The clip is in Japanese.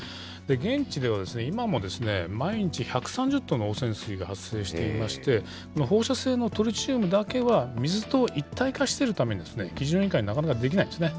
現地では、今も毎日１３０トンの汚染水が発生していまして、放射性のトリチウムだけは、水と一体化しているためにですね、基準以下になかなかできないんですね。